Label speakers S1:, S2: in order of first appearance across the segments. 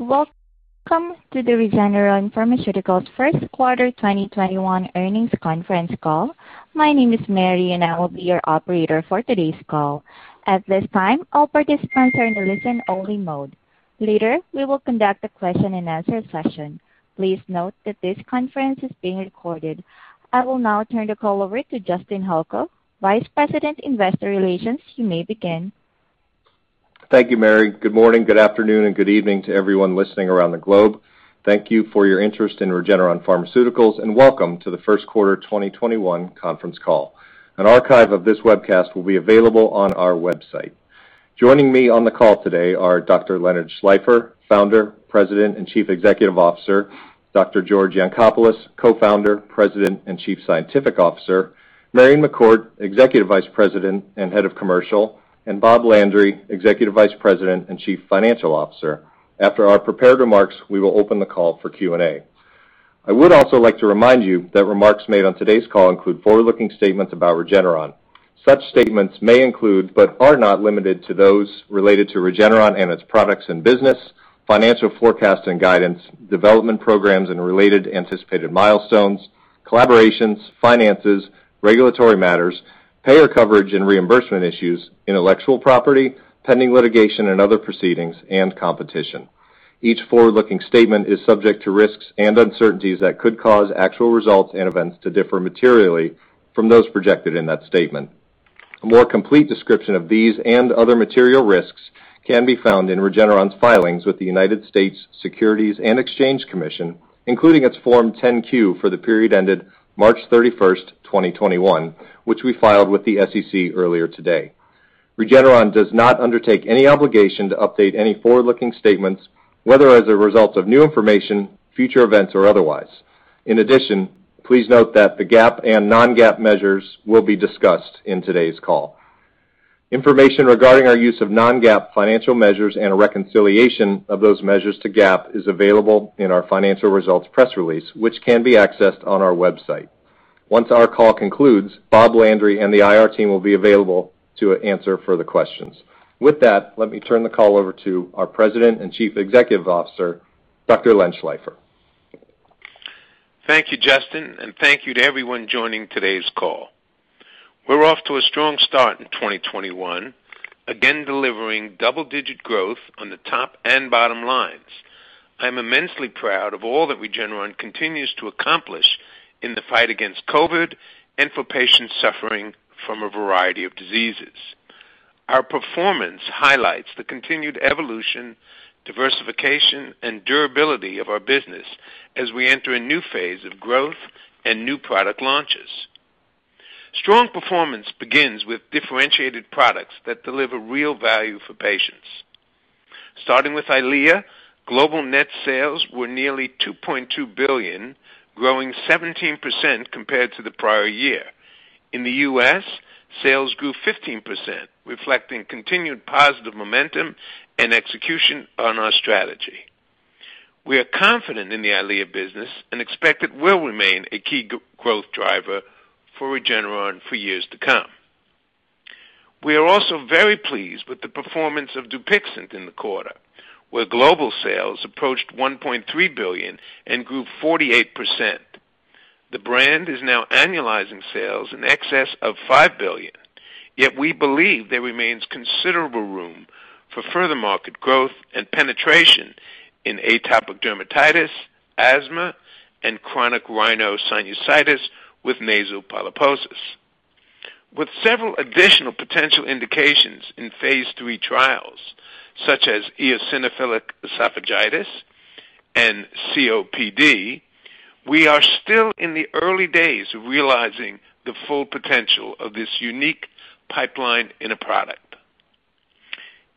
S1: Welcome to the Regeneron Pharmaceuticals First Quarter 2021 Earnings Conference Call. My name is Mary, and I will be your operator for today's call. At this time, all participants are in listen-only mode. Later, we will conduct a question-and-answer session. Please note that this conference is being recorded. I will now turn the call over to Justin Holko, Vice President, Investor Relations. You may begin.
S2: Thank you, Mary. Good morning, good afternoon, and good evening to everyone listening around the globe. Thank you for your interest in Regeneron Pharmaceuticals, and welcome to the first quarter 2021 conference call. An archive of this webcast will be available on our website. Joining me on the call today are Dr. Leonard Schleifer, Founder, President, and Chief Executive Officer, Dr. George Yancopoulos, Co-Founder, President, and Chief Scientific Officer, Marion McCourt, Executive Vice President and Head of Commercial, and Bob Landry, Executive Vice President and Chief Financial Officer. After our prepared remarks, we will open the call for Q&A. I would also like to remind you that remarks made on today's call include forward-looking statements about Regeneron. Such statements may include, but are not limited to, those related to Regeneron and its products and business, financial forecast and guidance, development programs and related anticipated milestones, collaborations, finances, regulatory matters, payer coverage and reimbursement issues, intellectual property, pending litigation and other proceedings, and competition. Each forward-looking statement is subject to risks and uncertainties that could cause actual results and events to differ materially from those projected in that statement. A more complete description of these and other material risks can be found in Regeneron's filings with the United States Securities and Exchange Commission, including its Form 10-Q for the period ended March 31st, 2021, which we filed with the SEC earlier today. Regeneron does not undertake any obligation to update any forward-looking statements, whether as a result of new information, future events, or otherwise. In addition, please note that the GAAP and non-GAAP measures will be discussed in today's call. Information regarding our use of non-GAAP financial measures and a reconciliation of those measures to GAAP is available in our financial results press release, which can be accessed on our website. Once our call concludes, Bob Landry and the IR team will be available to answer further questions. With that, let me turn the call over to our President and Chief Executive Officer, Dr. Len Schleifer.
S3: Thank you, Justin, and thank you to everyone joining today's call. We are off to a strong start in 2021, again delivering double-digit growth on the top and bottom lines. I am immensely proud of all that Regeneron continues to accomplish in the fight against COVID and for patients suffering from a variety of diseases. Our performance highlights the continued evolution, diversification, and durability of our business as we enter a new phase of growth and new product launches. Strong performance begins with differentiated products that deliver real value for patients. Starting with EYLEA, global net sales were nearly $2.2 billion, growing 17% compared to the prior year. In the U.S., sales grew 15%, reflecting continued positive momentum and execution on our strategy. We are confident in the EYLEA business and expect it will remain a key growth driver for Regeneron for years to come. We are also very pleased with the performance of DUPIXENT in the quarter, where global sales approached $1.3 billion and grew 48%. The brand is now annualizing sales in excess of $5 billion. We believe there remains considerable room for further market growth and penetration in atopic dermatitis, asthma, and chronic rhinosinusitis with nasal polyposis. With several additional potential indications in phase III trials, such as eosinophilic esophagitis and COPD, we are still in the early days of realizing the full potential of this unique pipeline in a product.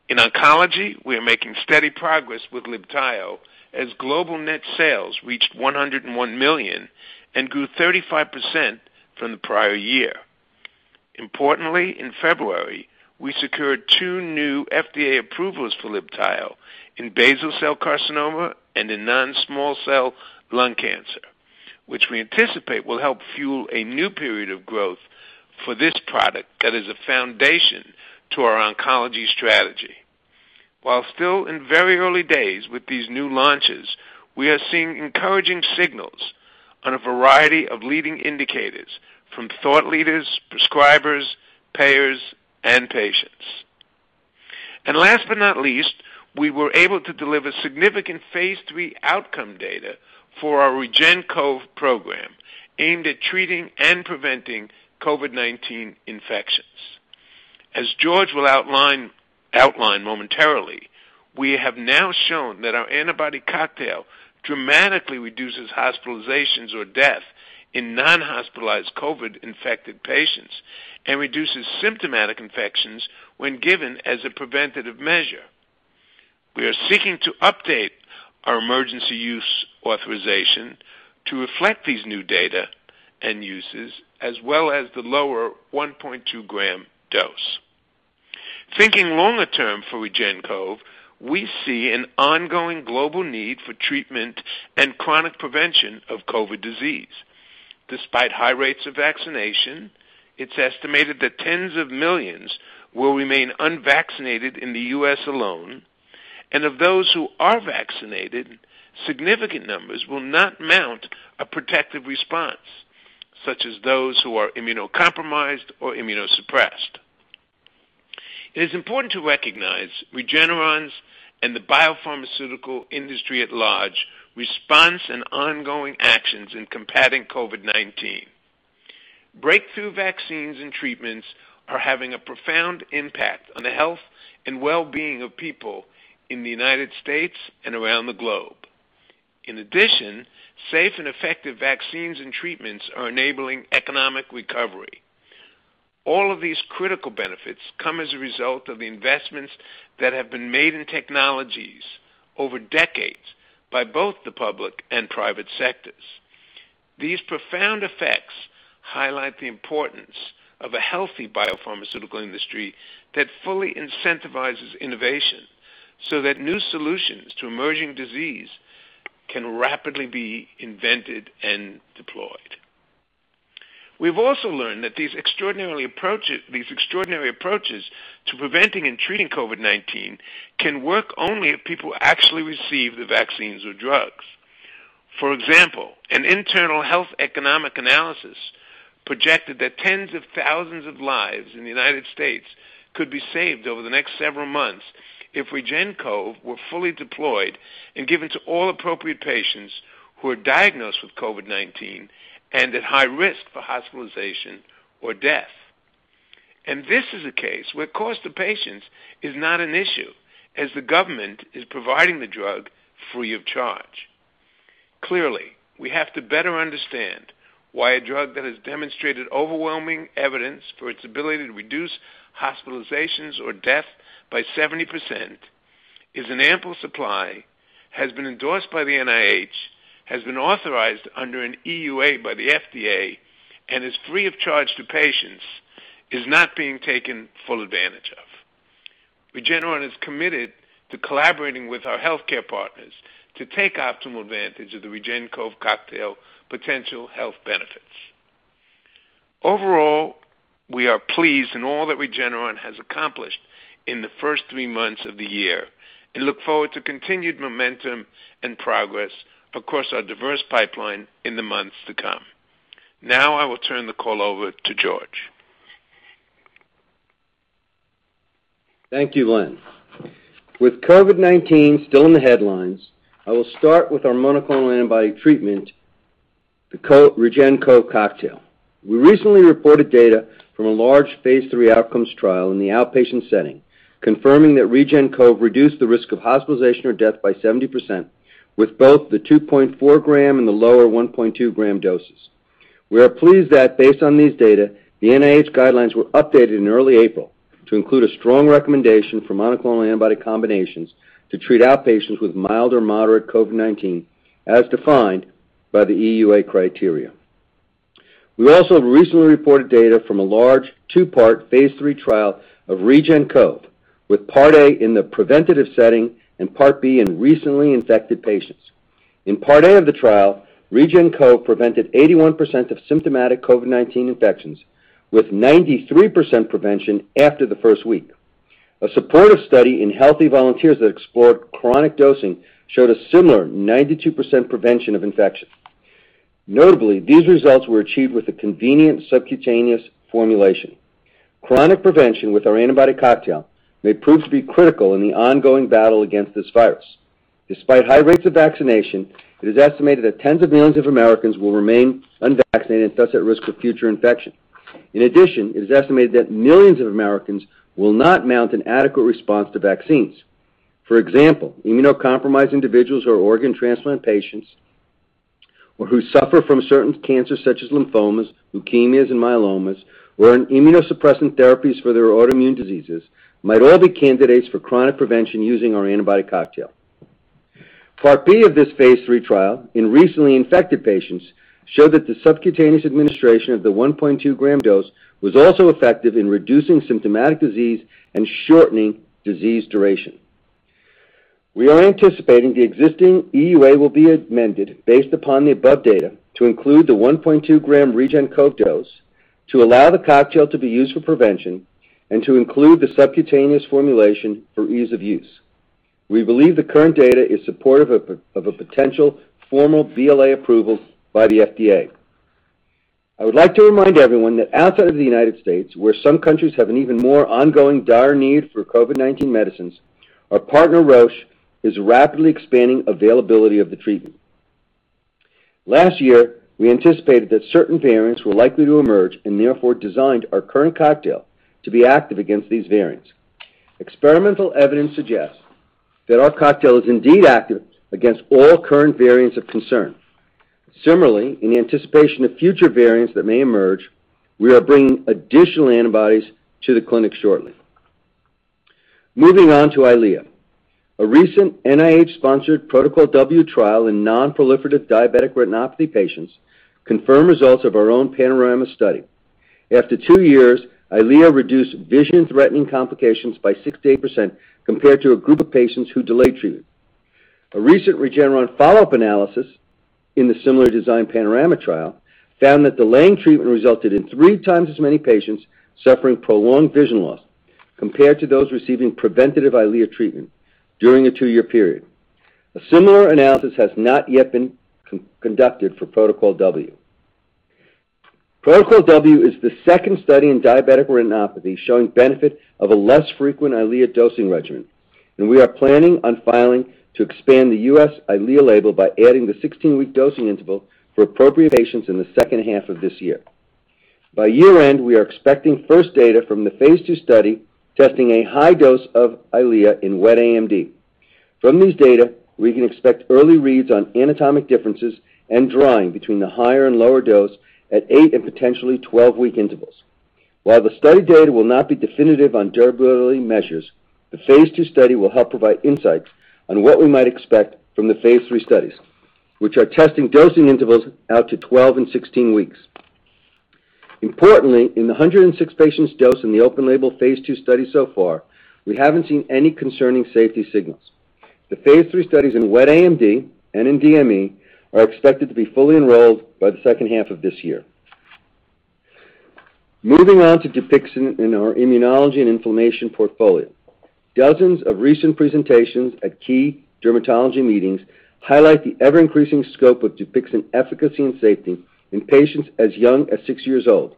S3: In oncology, we are making steady progress with LIBTAYO, as global net sales reached $101 million and grew 35% from the prior year. Importantly, in February, we secured two new FDA approvals for LIBTAYO in basal cell carcinoma and in non-small cell lung cancer, which we anticipate will help fuel a new period of growth for this product that is a foundation to our oncology strategy. While still in very early days with these new launches, we are seeing encouraging signals on a variety of leading indicators from thought leaders, prescribers, payers, and patients. Last but not least, we were able to deliver significant phase III outcome data for our REGEN-COV program, aimed at treating and preventing COVID-19 infections. As George will outline momentarily, we have now shown that our antibody cocktail dramatically reduces hospitalizations or death in non-hospitalized COVID-infected patients and reduces symptomatic infections when given as a preventative measure. We are seeking to update our emergency use authorization to reflect these new data and uses, as well as the lower 1.2-gram dose. Thinking longer term for REGEN-COV, we see an ongoing global need for treatment and chronic prevention of COVID disease. Despite high rates of vaccination, it's estimated that tens of millions will remain unvaccinated in the U.S. alone, and of those who are vaccinated, significant numbers will not mount a protective response, such as those who are immunocompromised or immunosuppressed. It is important to recognize Regeneron's, and the biopharmaceutical industry at large, response and ongoing actions in combating COVID-19. Breakthrough vaccines and treatments are having a profound impact on the health and wellbeing of people in the United States and around the globe. In addition, safe and effective vaccines and treatments are enabling economic recovery. All of these critical benefits come as a result of the investments that have been made in technologies over decades by both the public and private sectors. These profound effects highlight the importance of a healthy biopharmaceutical industry that fully incentivizes innovation so that new solutions to emerging disease can rapidly be invented and deployed. We've also learned that these extraordinary approaches to preventing and treating COVID-19 can work only if people actually receive the vaccines or drugs. For example, an internal health economic analysis projected that tens of thousands of lives in the United States could be saved over the next several months if REGEN-COV were fully deployed and given to all appropriate patients who are diagnosed with COVID-19 and at high risk for hospitalization or death. This is a case where cost to patients is not an issue, as the government is providing the drug free of charge. Clearly, we have to better understand why a drug that has demonstrated overwhelming evidence for its ability to reduce hospitalizations or death by 70%, is in ample supply, has been endorsed by the NIH, has been authorized under an EUA by the FDA, and is free of charge to patients, is not being taken full advantage of. Regeneron is committed to collaborating with our healthcare partners to take optimal advantage of the REGEN-COV cocktail potential health benefits. Overall, we are pleased in all that Regeneron has accomplished in the first three months of the year and look forward to continued momentum and progress across our diverse pipeline in the months to come. I will turn the call over to George.
S4: Thank you, Len. With COVID-19 still in the headlines, I will start with our monoclonal antibody treatment, the REGEN-COV cocktail. We recently reported data from a large phase III outcomes trial in the outpatient setting, confirming that REGEN-COV reduced the risk of hospitalization or death by 70% with both the 2.4 gram and the lower 1.2 gram doses. We are pleased that, based on these data, the NIH guidelines were updated in early April to include a strong recommendation for monoclonal antibody combinations to treat outpatients with mild or moderate COVID-19, as defined by the EUA criteria. We also recently reported data from a large two-part phase III trial of REGEN-COV, with Part A in the preventative setting and Part B in recently infected patients. In Part A of the trial, REGEN-COV prevented 81% of symptomatic COVID-19 infections, with 93% prevention after the first week. A supportive study in healthy volunteers that explored chronic dosing showed a similar 92% prevention of infection. Notably, these results were achieved with a convenient subcutaneous formulation. Chronic prevention with our antibody cocktail may prove to be critical in the ongoing battle against this virus. Despite high rates of vaccination, it is estimated that tens of millions of Americans will remain unvaccinated and thus at risk for future infection. In addition, it is estimated that millions of Americans will not mount an adequate response to vaccines. For example, immunocompromised individuals who are organ transplant patients or who suffer from certain cancers such as lymphomas, leukemias, and myelomas, or on immunosuppressant therapies for their autoimmune diseases, might all be candidates for chronic prevention using our antibody cocktail. Part B of this phase III trial in recently infected patients showed that the subcutaneous administration of the 1.2 gram dose was also effective in reducing symptomatic disease and shortening disease duration. We are anticipating the existing EUA will be amended based upon the above data to include the 1.2 gram REGEN-COV dose to allow the cocktail to be used for prevention and to include the subcutaneous formulation for ease of use. We believe the current data is supportive of a potential formal BLA approval by the FDA. I would like to remind everyone that outside of the United States, where some countries have an even more ongoing dire need for COVID-19 medicines, our partner, Roche, is rapidly expanding availability of the treatment. Last year, we anticipated that certain variants were likely to emerge and therefore designed our current cocktail to be active against these variants. Experimental evidence suggests that our cocktail is indeed active against all current variants of concern. Similarly, in anticipation of future variants that may emerge, we are bringing additional antibodies to the clinic shortly. Moving on to EYLEA. A recent NIH-sponsored Protocol W trial in non-proliferative diabetic retinopathy patients confirmed results of our own PANORAMA study. After two years, EYLEA reduced vision-threatening complications by 68% compared to a group of patients who delayed treatment. A recent Regeneron follow-up analysis in the similar design PANORAMA trial found that delaying treatment resulted in three times as many patients suffering prolonged vision loss compared to those receiving preventative EYLEA treatment during a two-year period. A similar analysis has not yet been conducted for Protocol W. Protocol W is the second study in diabetic retinopathy showing benefit of a less frequent EYLEA dosing regimen, and we are planning on filing to expand the U.S. EYLEA label by adding the 16-week dosing interval for appropriate patients in the second half of this year. By year-end, we are expecting first data from the phase II study testing a high dose of EYLEA in wet AMD. From these data, we can expect early reads on anatomic differences and drying between the higher and lower dose at eight and potentially 12-week intervals. While the study data will not be definitive on durability measures, the phase II study will help provide insights on what we might expect from the phase III studies, which are testing dosing intervals out to 12 and 16 weeks. Importantly, in the 106 patients dosed in the open-label phase II study so far, we haven't seen any concerning safety signals. The phase III studies in wet AMD and in DME are expected to be fully enrolled by the second half of this year. Moving on to DUPIXENT in our immunology and inflammation portfolio. Dozens of recent presentations at key dermatology meetings highlight the ever-increasing scope of DUPIXENT efficacy and safety in patients as young as six years old,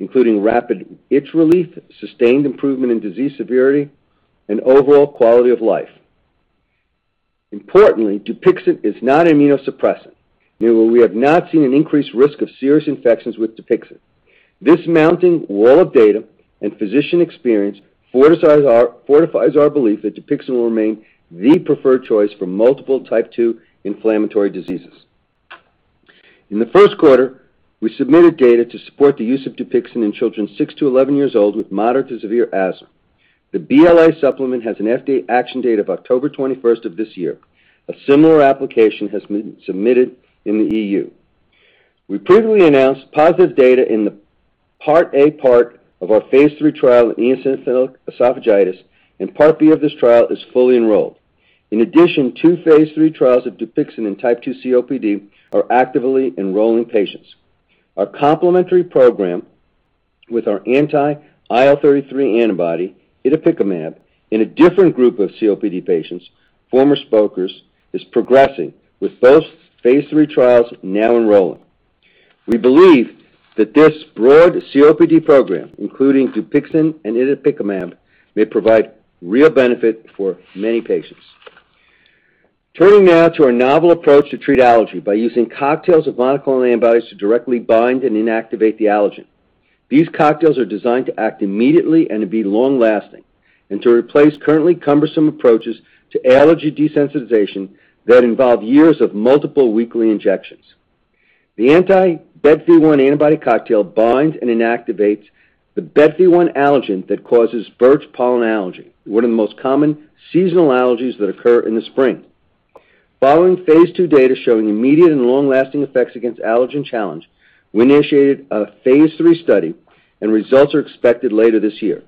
S4: including rapid itch relief, sustained improvement in disease severity, and overall quality of life. Importantly, DUPIXENT is not immunosuppressant, meaning we have not seen an increased risk of serious infections with DUPIXENT. This mounting wall of data and physician experience fortifies our belief that DUPIXENT will remain the preferred choice for multiple Type 2 inflammatory diseases. In the first quarter, we submitted data to support the use of DUPIXENT in children 6-11 years old with moderate to severe asthma. The BLA supplement has an FDA action date of October 21st of this year. A similar application has been submitted in the EU. We previously announced positive data in the Part A part of our phase III trial in eosinophilic esophagitis, and Part B of this trial is fully enrolled. In addition, two phase III trials of DUPIXENT in Type 2 COPD are actively enrolling patients. Our complementary program with our anti-IL-33 antibody, itepekimab, in a different group of COPD patients, former smokers, is progressing with both phase III trials now enrolling. We believe that this broad COPD program, including DUPIXENT and itepekimab, may provide real benefit for many patients. Turning now to our novel approach to treat allergy by using cocktails of monoclonal antibodies to directly bind and inactivate the allergen. These cocktails are designed to act immediately and to be long-lasting, and to replace currently cumbersome approaches to allergy desensitization that involve years of multiple weekly injections. The anti-Bet v 1 antibody cocktail binds and inactivates the Bet v 1 allergen that causes birch pollen allergy, one of the most common seasonal allergies that occur in the spring. Following phase II data showing immediate and long-lasting effects against allergen challenge, we initiated a phase III study, and results are expected later this year.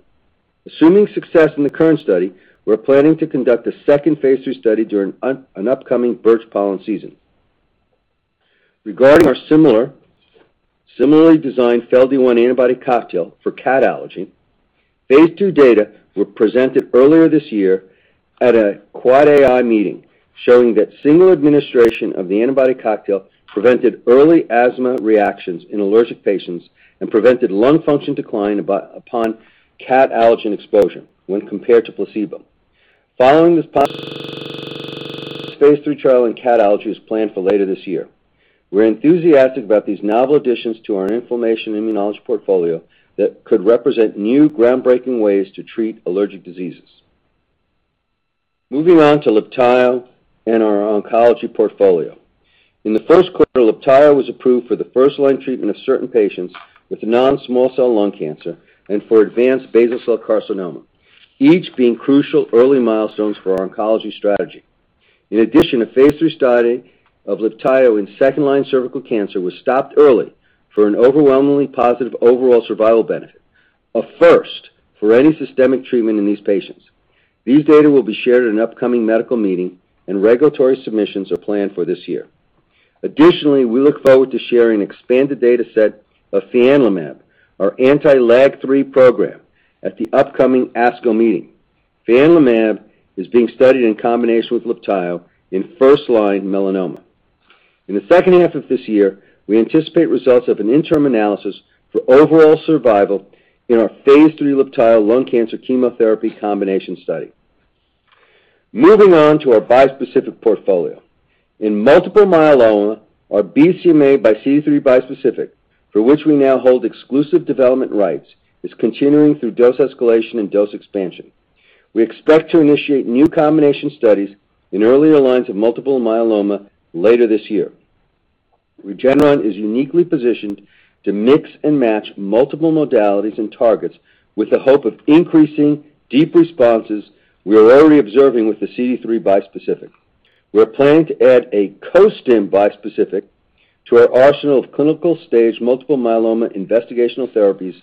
S4: Assuming success in the current study, we're planning to conduct a second phase III study during an upcoming birch pollen season. Regarding our similarly designed Fel d 1 antibody cocktail for cat allergy, phase II data were presented earlier this year at an AAAAI meeting showing that single administration of the antibody cocktail prevented early asthma reactions in allergic patients and prevented lung function decline upon cat allergen exposure when compared to placebo. Following this positive phase III trial in cat allergy is planned for later this year. We're enthusiastic about these novel additions to our inflammation immunology portfolio that could represent new groundbreaking ways to treat allergic diseases. Moving on to LIBTAYO and our oncology portfolio. In the first quarter, LIBTAYO was approved for the first-line treatment of certain patients with non-small cell lung cancer and for advanced basal cell carcinoma, each being crucial early milestones for our oncology strategy. A phase III study of LIBTAYO in second-line cervical cancer was stopped early for an overwhelmingly positive overall survival benefit, a first for any systemic treatment in these patients. These data will be shared at an upcoming medical meeting. Regulatory submissions are planned for this year. We look forward to sharing expanded data set of fianlimab, our anti-LAG3 program, at the upcoming ASCO meeting. Fianlimab is being studied in combination with LIBTAYO in first-line melanoma. In the second half of this year, we anticipate results of an interim analysis for overall survival in our phase III LIBTAYO lung cancer chemotherapy combination study. Moving on to our bispecific portfolio. In multiple myeloma, our BCMA by CD3 bispecific, for which we now hold exclusive development rights, is continuing through dose escalation and dose expansion. We expect to initiate new combination studies in earlier lines of multiple myeloma later this year. Regeneron is uniquely positioned to mix and match multiple modalities and targets with the hope of increasing deep responses we are already observing with the CD3 bispecific. We're planning to add a co-stim bispecific to our arsenal of clinical-stage multiple myeloma investigational therapies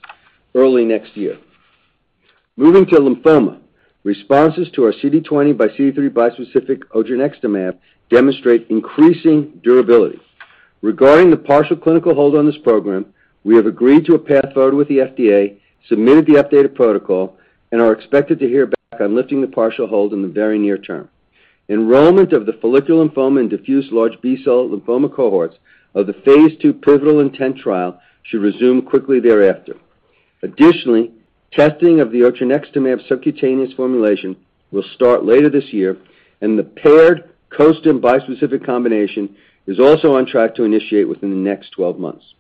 S4: early next year. Moving to lymphoma, responses to our CD20 by CD3 bispecific odronextamab demonstrate increasing durability. Regarding the partial clinical hold on this program, we have agreed to a path forward with the FDA, submitted the updated protocol, and are expected to hear back on lifting the partial hold in the very near term. Enrollment of the follicular lymphoma and diffuse large B-cell lymphoma cohorts of the phase II pivotal intent trial should resume quickly thereafter. Additionally, testing of the odronextamab subcutaneous formulation will start later this year, and the paired costim bispecific combination is also on track to initiate within the next 12 months.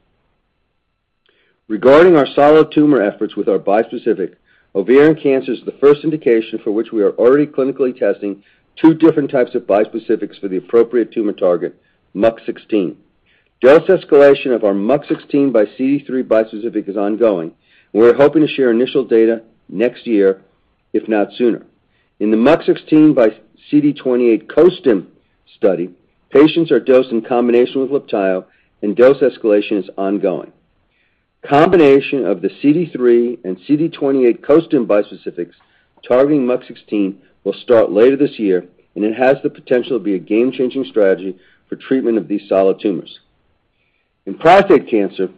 S4: Regarding our solid tumor efforts with our bispecific, ovarian cancer is the first indication for which we are already clinically testing two different types of bispecifics for the appropriate tumor target, MUC16. Dose escalation of our MUC16 by CD3 bispecific is ongoing. We're hoping to share initial data next year, if not sooner. In the MUC16 by CD28 costim study, patients are dosed in combination with Libtayo, and dose escalation is ongoing. Combination of the CD3 and CD28 costim bispecifics targeting MUC16 will start later this year, and it has the potential to be a game-changing strategy for treatment of these solid tumors. In prostate cancer,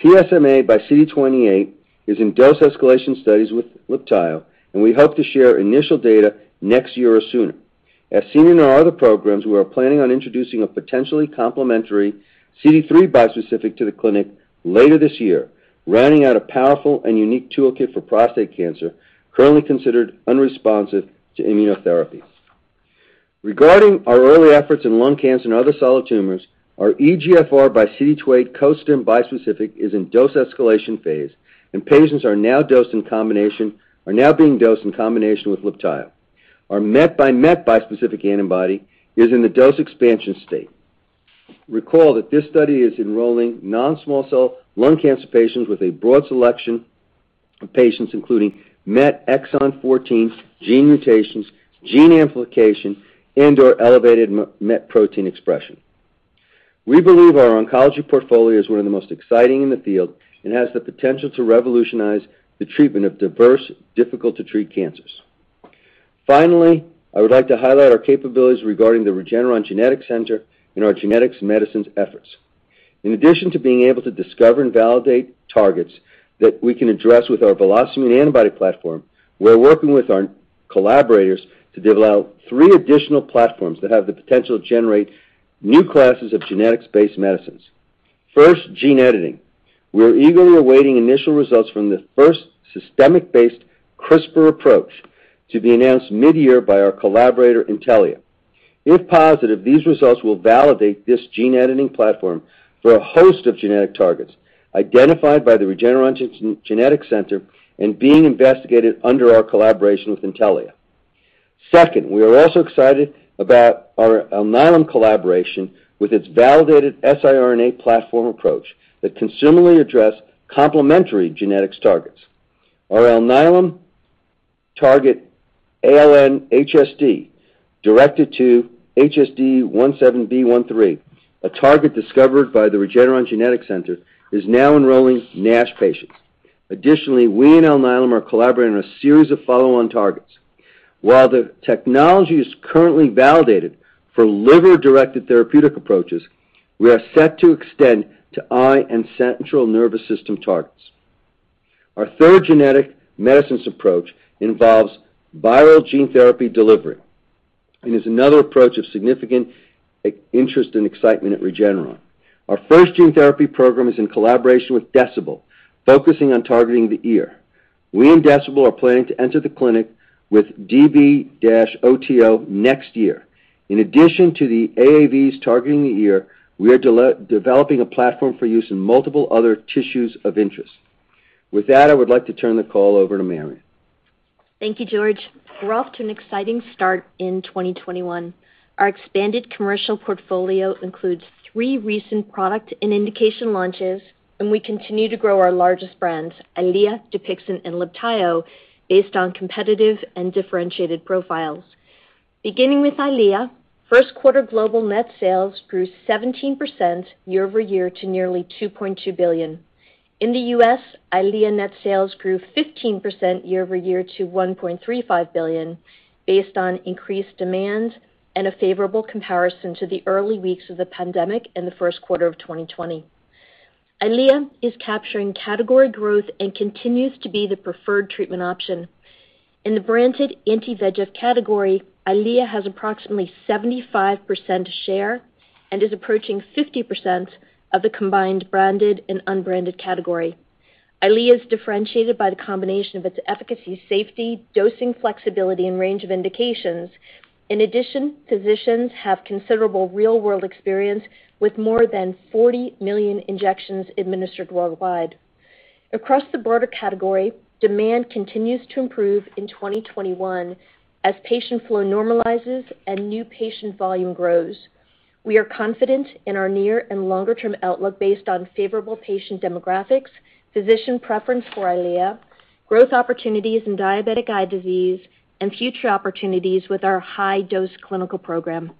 S4: PSMA by CD28 is in dose escalation studies with LIBTAYO, and we hope to share initial data next year or sooner. As seen in our other programs, we are planning on introducing a potentially complementary CD3 bispecific to the clinic later this year, rounding out a powerful and unique toolkit for prostate cancer, currently considered unresponsive to immunotherapies. Regarding our early efforts in lung cancer and other solid tumors, our EGFR by CD28 costim bispecific is in dose escalation phase, and patients are now being dosed in combination with LIBTAYO. Our MET by MET bispecific antibody is in the dose expansion state. Recall that this study is enrolling non-small cell lung cancer patients with a broad selection of patients, including MET exon 14 gene mutations, gene amplification, and/or elevated MET protein expression. We believe our oncology portfolio is one of the most exciting in the field and has the potential to revolutionize the treatment of diverse, difficult to treat cancers. Finally, I would like to highlight our capabilities regarding the Regeneron Genetics Center and our genetics and medicines efforts. In addition to being able to discover and validate targets that we can address with our VelocImmune antibody platform, we're working with our collaborators to develop three additional platforms that have the potential to generate new classes of genetics-based medicines. First, gene editing. We are eagerly awaiting initial results from the first systemic-based CRISPR approach to be announced mid-year by our collaborator, Intellia. If positive, these results will validate this gene editing platform for a host of genetic targets identified by the Regeneron Genetics Center and being investigated under our collaboration with Intellia. Second, we are also excited about our Alnylam collaboration with its validated siRNA platform approach that can similarly address complementary genetics targets. Our Alnylam target ALN-HSD, directed to HSD17B13, a target discovered by the Regeneron Genetics Center, is now enrolling NASH patients. Additionally, we and Alnylam are collaborating on a series of follow-on targets. While the technology is currently validated for liver-directed therapeutic approaches, we are set to extend to eye and central nervous system targets. Our third genetic medicines approach involves viral gene therapy delivery and is another approach of significant interest and excitement at Regeneron. Our first gene therapy program is in collaboration with Decibel, focusing on targeting the ear. We and Decibel are planning to enter the clinic with DB-OTO next year. In addition to the AAVs targeting the ear, we are developing a platform for use in multiple other tissues of interest. With that, I would like to turn the call over to Marion.
S5: Thank you, George. We're off to an exciting start in 2021. Our expanded commercial portfolio includes three recent product and indication launches, and we continue to grow our largest brands, EYLEA, DUPIXENT, and LIBTAYO, based on competitive and differentiated profiles. Beginning with EYLEA, first quarter global net sales grew 17% year-over-year to nearly $2.2 billion. In the U.S., EYLEA net sales grew 15% year-over-year to $1.35 billion, based on increased demand and a favorable comparison to the early weeks of the pandemic in the first quarter of 2020. EYLEA is capturing category growth and continues to be the preferred treatment option. In the branded anti-VEGF category, EYLEA has approximately 75% share and is approaching 50% of the combined branded and unbranded category. EYLEA is differentiated by the combination of its efficacy, safety, dosing flexibility, and range of indications. In addition, physicians have considerable real-world experience with more than 40 million injections administered worldwide. Across the broader category, demand continues to improve in 2021 as patient flow normalizes and new patient volume grows. We are confident in our near and longer-term outlook based on favorable patient demographics, physician preference for EYLEA, growth opportunities in diabetic eye disease, and future opportunities with our high-dose clinical program.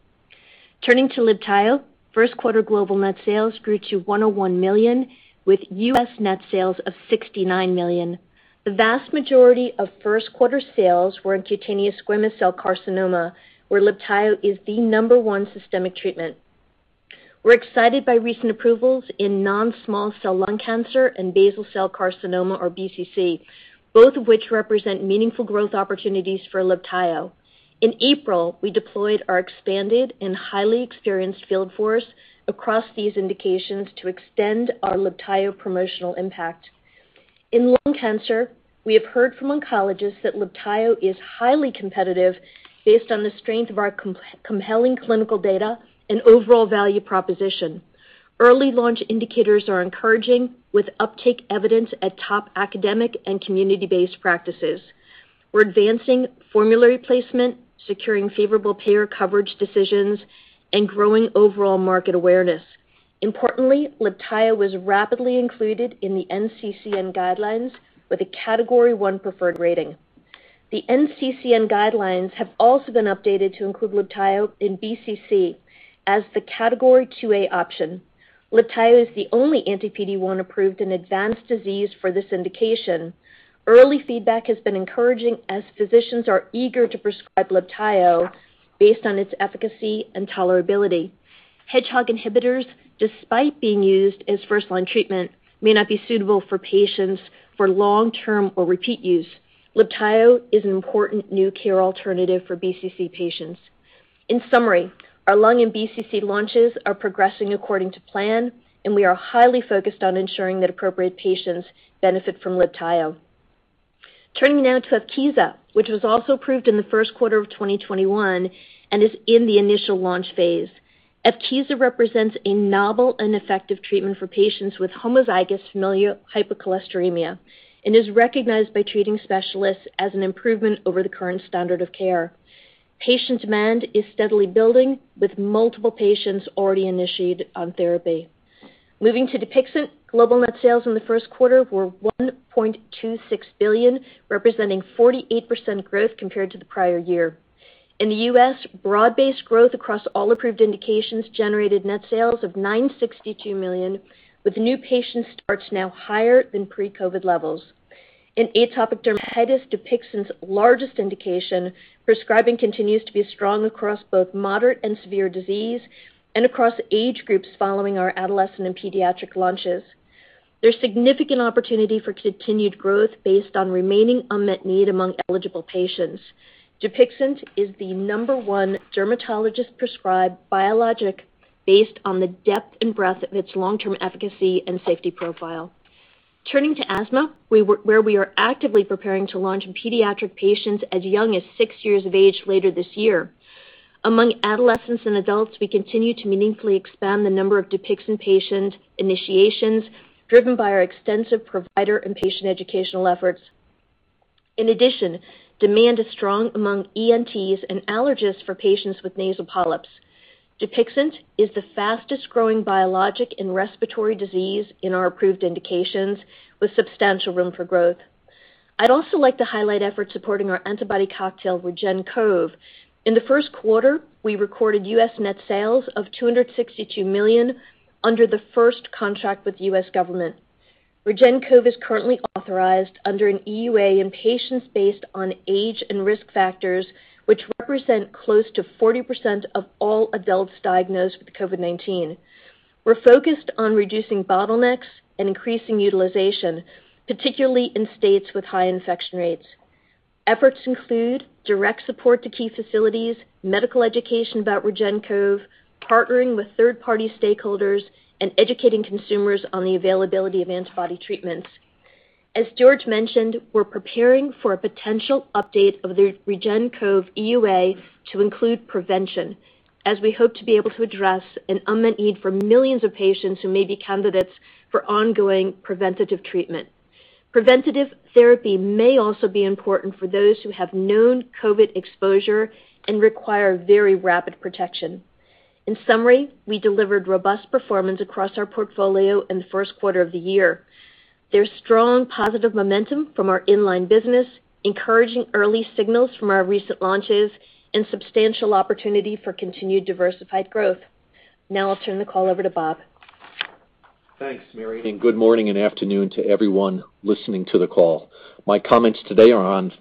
S5: Turning to LIBTAYO, first quarter global net sales grew to $101 million with U.S. net sales of $69 million. The vast majority of first quarter sales were in cutaneous squamous cell carcinoma, where LIBTAYO is the number one systemic treatment. We're excited by recent approvals in non-small cell lung cancer and basal cell carcinoma or BCC, both of which represent meaningful growth opportunities for LIBTAYO. In April, we deployed our expanded and highly experienced field force across these indications to extend our LIBTAYO promotional impact. In lung cancer, we have heard from oncologists that LIBTAYO is highly competitive based on the strength of our compelling clinical data and overall value proposition. Early launch indicators are encouraging, with uptake evidence at top academic and community-based practices. We're advancing formulary placement, securing favorable payer coverage decisions, and growing overall market awareness. Importantly, LIBTAYO was rapidly included in the NCCN guidelines with a category one preferred rating. The NCCN guidelines have also been updated to include LIBTAYO in BCC as the category 2A option. LIBTAYO is the only anti-PD-1 approved in advanced disease for this indication. Early feedback has been encouraging as physicians are eager to prescribe LIBTAYO based on its efficacy and tolerability. Hedgehog inhibitors, despite being used as first-line treatment, may not be suitable for patients for long-term or repeat use. LIBTAYO is an important new care alternative for BCC patients. In summary, our lung and BCC launches are progressing according to plan. We are highly focused on ensuring that appropriate patients benefit from LIBTAYO. Turning now to EVKEEZA, which was also approved in the first quarter of 2021 and is in the initial launch phase. EVKEEZA represents a novel and effective treatment for patients with homozygous familial hypercholesterolemia and is recognized by treating specialists as an improvement over the current standard of care. Patient demand is steadily building, with multiple patients already initiated on therapy. Moving to DUPIXENT, global net sales in the first quarter were $1.26 billion, representing 48% growth compared to the prior year. In the U.S., broad-based growth across all approved indications generated net sales of $962 million, with new patient starts now higher than pre-COVID levels. In atopic dermatitis, DUPIXENT's largest indication, prescribing continues to be strong across both moderate and severe disease and across age groups following our adolescent and pediatric launches. There is significant opportunity for continued growth based on remaining unmet need among eligible patients. DUPIXENT is the number one dermatologist-prescribed biologic based on the depth and breadth of its long-term efficacy and safety profile. Turning to asthma, where we are actively preparing to launch in pediatric patients as young as six years of age later this year. Among adolescents and adults, we continue to meaningfully expand the number of DUPIXENT patient initiations, driven by our extensive provider and patient educational efforts. In addition, demand is strong among ENTs and allergists for patients with nasal polyps. DUPIXENT is the fastest-growing biologic in respiratory disease in our approved indications, with substantial room for growth. I would also like to highlight efforts supporting our antibody cocktail, REGEN-COV. In the first quarter, we recorded U.S. net sales of $262 million under the first contract with the U.S. government. REGEN-COV is currently authorized under an EUA in patients based on age and risk factors, which represent close to 40% of all adults diagnosed with COVID-19. We're focused on reducing bottlenecks and increasing utilization, particularly in states with high infection rates. Efforts include direct support to key facilities, medical education about REGEN-COV, partnering with third-party stakeholders, and educating consumers on the availability of antibody treatments. As George mentioned, we're preparing for a potential update of the REGEN-COV EUA to include prevention, as we hope to be able to address an unmet need for millions of patients who may be candidates for ongoing preventative treatment. Preventative therapy may also be important for those who have known COVID exposure and require very rapid protection. In summary, we delivered robust performance across our portfolio in the first quarter of the year. There's strong positive momentum from our in-line business, encouraging early signals from our recent launches, and substantial opportunity for continued diversified growth. I'll turn the call over to Bob.
S6: Thanks, Marion, and good morning and afternoon to everyone listening to the call. My comments today on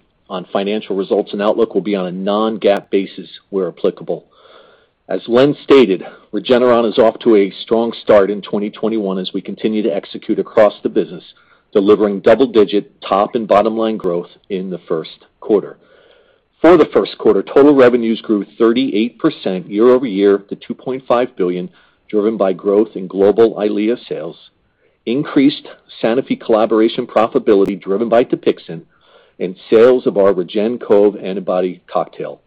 S6: financial results and outlook will be on a non-GAAP basis where applicable. As Len stated, Regeneron is off to a strong start in 2021 as we continue to execute across the business, delivering double-digit top and bottom-line growth in the first quarter. For the first quarter, total revenues grew 38% year-over-year to $2.5 billion, driven by growth in global EYLEA sales, increased Sanofi collaboration profitability driven by DUPIXENT, and sales of our REGEN-COV antibody cocktail.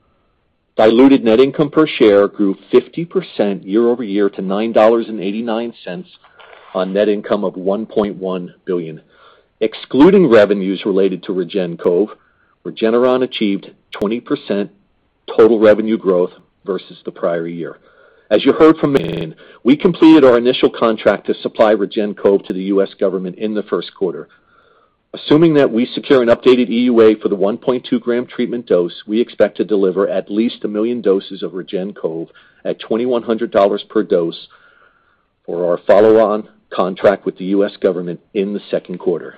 S6: Diluted net income per share grew 50% year-over-year to $9.89 on net income of $1.1 billion. Excluding revenues related to REGEN-COV, Regeneron achieved 20% total revenue growth versus the prior year. As you heard from Marion, we completed our initial contract to supply REGEN-COV to the U.S. government in the first quarter. Assuming that we secure an updated EUA for the 1.2 gram treatment dose, we expect to deliver at least a million doses of REGEN-COV at $2,100 per dose for our follow-on contract with the U.S. government in the second quarter.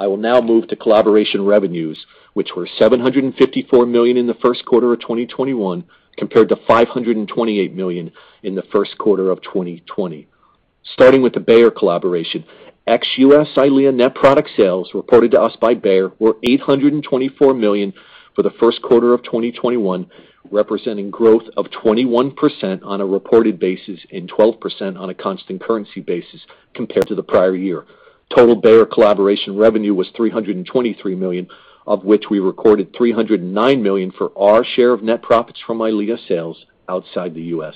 S6: I will now move to collaboration revenues, which were $754 million in the first quarter of 2021 compared to $528 million in the first quarter of 2020. Starting with the Bayer collaboration, ex-U.S. EYLEA net product sales reported to us by Bayer were $824 million for the first quarter of 2021, representing growth of 21% on a reported basis and 12% on a constant currency basis compared to the prior year. Total Bayer collaboration revenue was $323 million, of which we recorded $309 million for our share of net profits from EYLEA sales outside the U.S.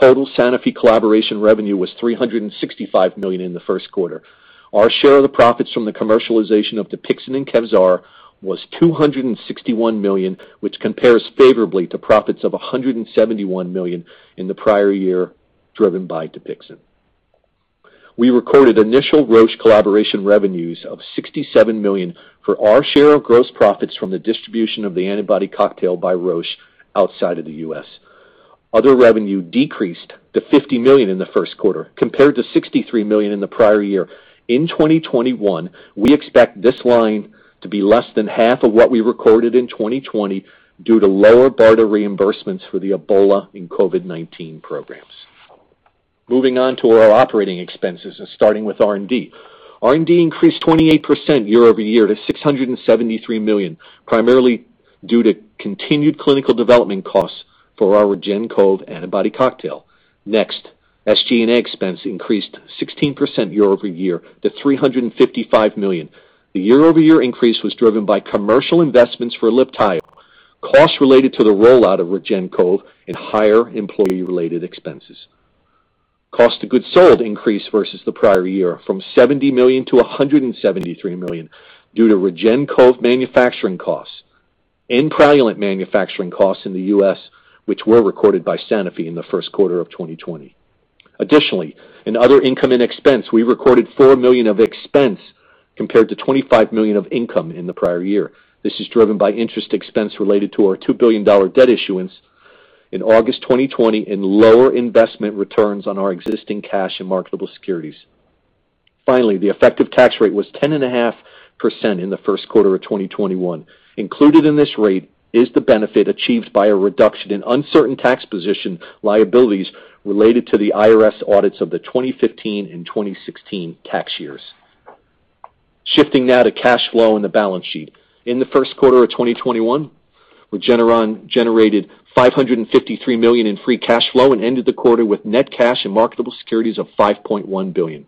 S6: Total Sanofi collaboration revenue was $365 million in the first quarter. Our share of the profits from the commercialization of DUPIXENT and KEVZARA was $261 million, which compares favorably to profits of $171 million in the prior year driven by DUPIXENT. We recorded initial Roche collaboration revenues of $67 million for our share of gross profits from the distribution of the antibody cocktail by Roche outside of the U.S. Other revenue decreased to $50 million in the first quarter compared to $63 million in the prior year. In 2021, we expect this line to be less than half of what we recorded in 2020 due to lower BARDA reimbursements for the Ebola and COVID-19 programs. Moving on to our operating expenses and starting with R&D. R&D increased 28% year-over-year to $673 million, primarily due to continued clinical development costs for our REGEN-COV antibody cocktail. SG&A expense increased 16% year-over-year to $355 million. The year-over-year increase was driven by commercial investments for LIBTAYO, costs related to the rollout of REGEN-COV, and higher employee-related expenses. Cost of goods sold increased versus the prior year from $70 million to $173 million due to REGEN-COV manufacturing costs and Praluent manufacturing costs in the U.S., which were recorded by Sanofi in the first quarter of 2020. In other income and expense, we recorded $4 million of expense compared to $25 million of income in the prior year. This is driven by interest expense related to our $2 billion debt issuance in August 2020 and lower investment returns on our existing cash and marketable securities. Finally, the effective tax rate was 10.5% in the first quarter of 2021. Included in this rate is the benefit achieved by a reduction in uncertain tax position liabilities related to the IRS audits of the 2015 and 2016 tax years. Shifting now to cash flow and the balance sheet. In the first quarter of 2021, Regeneron generated $553 million in free cash flow and ended the quarter with net cash and marketable securities of $5.1 billion.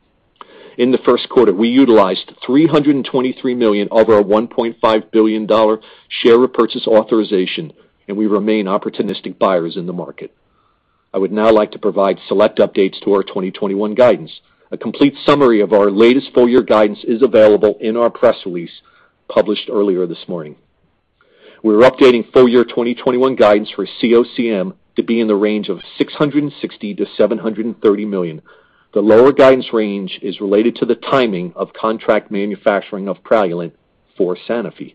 S6: In the first quarter, we utilized $323 million of our $1.5 billion share repurchase authorization, and we remain opportunistic buyers in the market. I would now like to provide select updates to our 2021 guidance. A complete summary of our latest full-year guidance is available in our press release published earlier this morning. We're updating full-year 2021 guidance for COCM to be in the range of $660 million-$730 million. The lower guidance range is related to the timing of contract manufacturing of Praluent for Sanofi.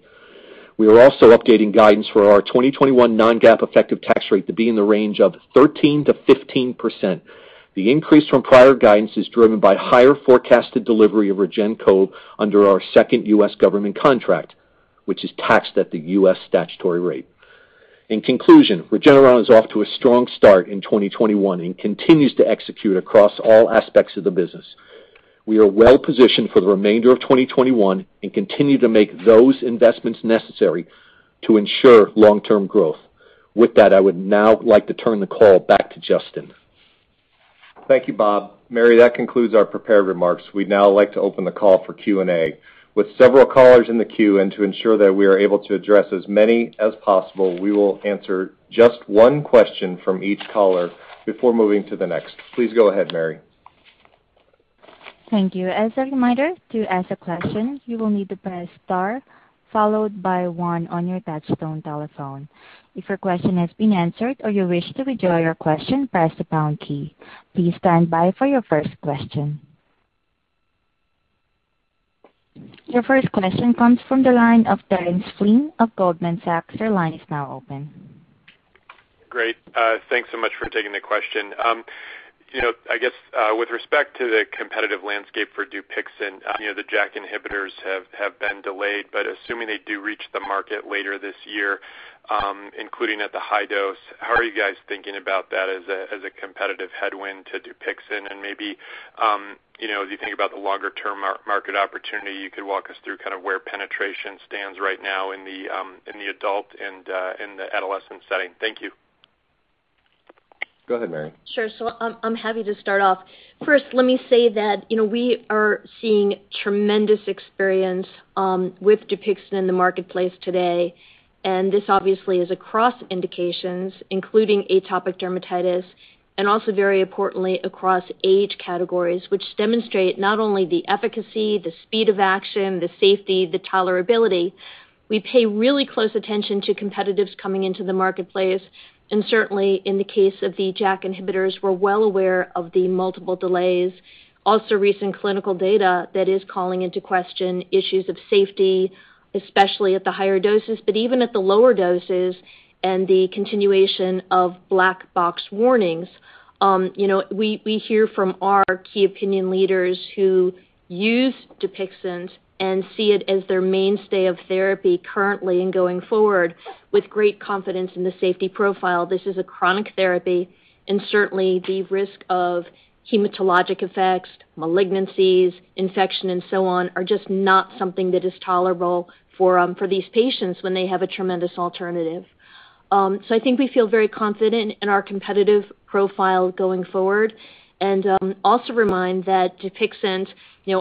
S6: We are also updating guidance for our 2021 non-GAAP effective tax rate to be in the range of 13%-15%. The increase from prior guidance is driven by higher forecasted delivery of REGEN-COV under our second U.S. government contract, which is taxed at the U.S. statutory rate. In conclusion, Regeneron is off to a strong start in 2021 and continues to execute across all aspects of the business. We are well positioned for the remainder of 2021 and continue to make those investments necessary to ensure long-term growth. With that, I would now like to turn the call back to Justin.
S2: Thank you, Bob. Mary, that concludes our prepared remarks. We'd now like to open the call for Q&A. With several callers in the queue and to ensure that we are able to address as many as possible, we will answer just one question from each caller before moving to the next. Please go ahead, Mary.
S1: Thank you. As a reminder, to ask a question, you will need to press star, followed by one on your touchtone telephone. If your question has been answered or you wish to withdraw your question, press the pound key. Please stand by for your first question. Your first question comes from the line of Terence Flynn of Goldman Sachs.
S7: Great. Thanks so much for taking the question. I guess with respect to the competitive landscape for DUPIXENT, the JAK inhibitors have been delayed, but assuming they do reach the market later this year, including at the high dose, how are you guys thinking about that as a competitive headwind to DUPIXENT? Maybe as you think about the longer-term market opportunity, you could walk us through kind of where penetration stands right now in the adult and in the adolescent setting. Thank you.
S2: Go ahead, Marion.
S5: Sure. I'm happy to start off. First, let me say that we are seeing tremendous experience with DUPIXENT in the marketplace today, and this obviously is across indications, including atopic dermatitis, and also, very importantly, across age categories, which demonstrate not only the efficacy, the speed of action, the safety, the tolerability. We pay really close attention to competitors coming into the marketplace, and certainly in the case of the JAK inhibitors, we're well aware of the multiple delays. Recent clinical data that is calling into question issues of safety, especially at the higher doses, but even at the lower doses, and the continuation of black box warnings. We hear from our key opinion leaders who use DUPIXENT and see it as their mainstay of therapy currently and going forward with great confidence in the safety profile. This is a chronic therapy, and certainly the risk of hematologic effects, malignancies, infection, and so on are just not something that is tolerable for these patients when they have a tremendous alternative. I think we feel very confident in our competitive profile going forward, and also remind that DUPIXENT,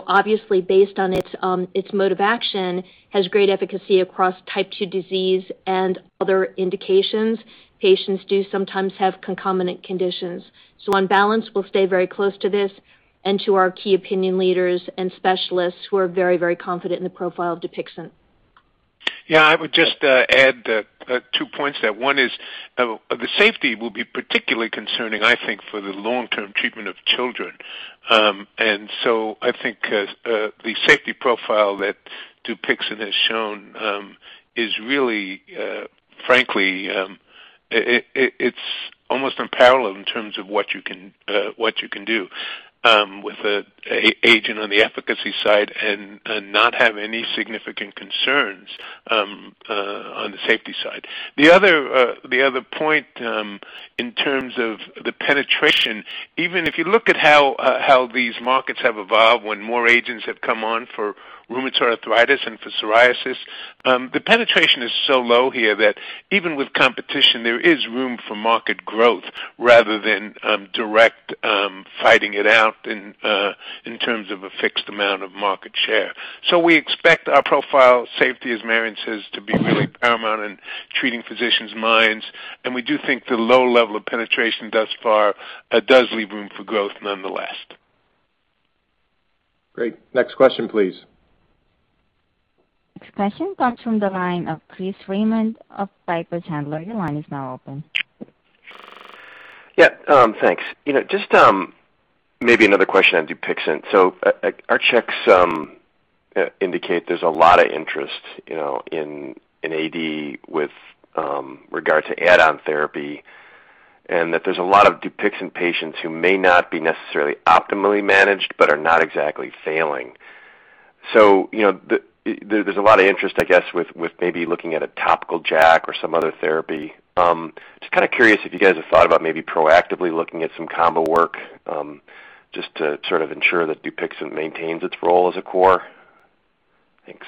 S5: obviously based on its mode of action, has great efficacy across type 2 disease and other indications. Patients do sometimes have concomitant conditions. On balance, we'll stay very close to this and to our key opinion leaders and specialists who are very confident in the profile of DUPIXENT.
S3: Yeah, I would just add two points there. One is, the safety will be particularly concerning, I think, for the long-term treatment of children. I think the safety profile that DUPIXENT has shown is really, frankly, it's almost unparalleled in terms of what you can do with an agent on the efficacy side and not have any significant concerns on the safety side. The other point, in terms of the penetration, even if you look at how these markets have evolved when more agents have come on for rheumatoid arthritis and for psoriasis, the penetration is so low here that even with competition, there is room for market growth rather than direct fighting it out in terms of a fixed amount of market share. We expect our profile safety, as Marion says, to be really paramount in treating physicians' minds, and we do think the low level of penetration thus far does leave room for growth nonetheless.
S2: Great. Next question, please.
S1: Next question comes from the line of Chris Raymond of Piper Sandler. Your line is now open.
S8: Yeah. Thanks. Just maybe another question on DUPIXENT. Our checks indicate there's a lot of interest in AD with regard to add-on therapy and that there's a lot of DUPIXENT patients who may not be necessarily optimally managed but are not exactly failing. There's a lot of interest, I guess, with maybe looking at a topical JAK or some other therapy. Just kind of curious if you guys have thought about maybe proactively looking at some combo work, just to sort of ensure that DUPIXENT maintains its role as a core. Thanks.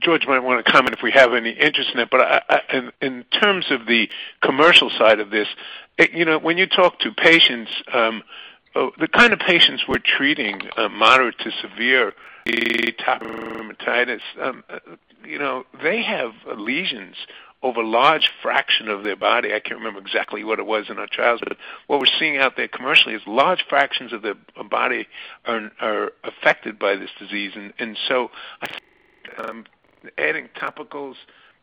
S3: George might want to comment if we have any interest in it, but in terms of the commercial side of this, when you talk to patients, the kind of patients we're treating, moderate to severe atopic dermatitis, they have lesions over a large fraction of their body. I can't remember exactly what it was in our trials, but what we're seeing out there commercially is large fractions of the body are affected by this disease. Adding topicals,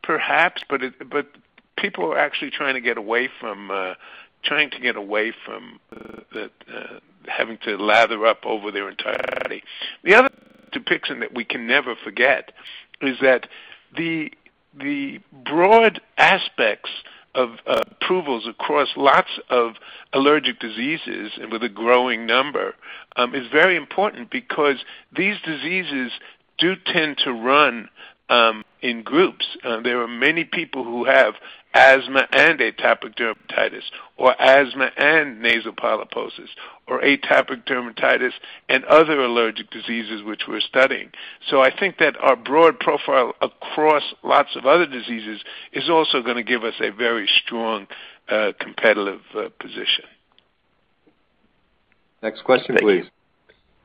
S3: perhaps, but people are actually trying to get away from having to lather up over their entirety. The other thing with DUPIXENT that we can never forget is that the broad aspects of approvals across lots of allergic diseases, and with a growing number, is very important because these diseases do tend to run in groups. There are many people who have asthma and atopic dermatitis, or asthma and chronic rhinosinusitis with nasal polyposis, or atopic dermatitis and other allergic diseases, which we're studying. I think that our broad profile across lots of other diseases is also going to give us a very strong competitive position.
S2: Next question, please.